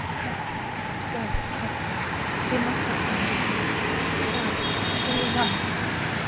"Go, go; for God's sake. They must not find you here. Go! FOR YOUR LIFE!"